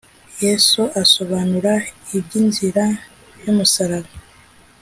Yesu asobanura iby’inzira y’umusaraba